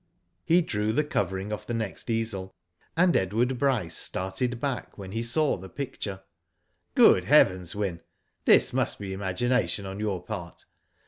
He drew the covering off the next easel, and Edward Bryce started back when he saw the picture. " Good heavens, Wyn, this must be imagination on your part.